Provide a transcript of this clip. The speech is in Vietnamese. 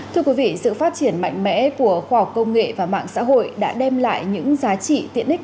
thưa quý vị sự phát triển mạnh mẽ của khoa học công nghệ và mạng xã hội đã đem lại những giá trị tiện ích